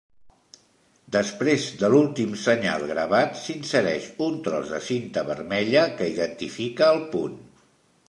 Després de l'últim senyal gravat s'insereix un tros de cinta vermella que identifica el punt.